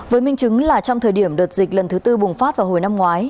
với minh chứng là trong thời điểm đợt dịch lần thứ tư bùng phát vào hồi năm ngoái